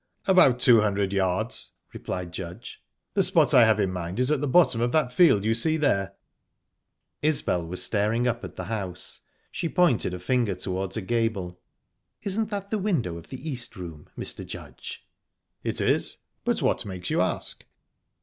"About two hundred yards," replied Judge. "The spot I have in mind is at the bottom of that field you see there." Isbel was staring up at the house; she pointed a finger towards a gable. "Isn't that the window of the East Room, Mr. Judge?" "It is; but what makes you ask?"